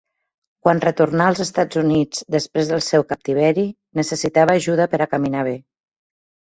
Quan retornà als Estats Units després del seu captiveri, necessitava ajuda per a caminar bé.